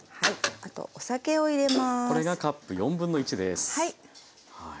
あとお酒を入れます。